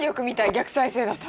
逆再生だと。